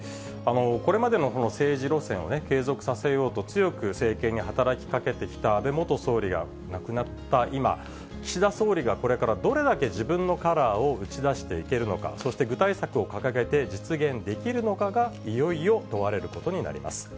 これまでのこの政治路線を継続させようと強く政権に働きかけてきた安倍元総理が亡くなった今、岸田総理がこれからどれだけ自分のカラーを打ち出していけるのか、そして具体策を掲げて実現できるのかが、いよいよ問われることになります。